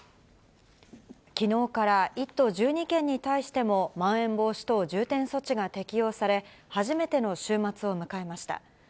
きのうから１都１２県に対してもまん延防止等重点措置が適用され、初めての週末を迎えました。